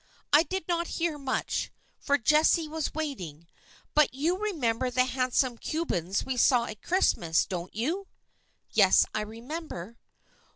I did not hear much, for Jessie was waiting; but you remember the handsome Cubans we saw at Christmas, don't you?" "Yes, I remember."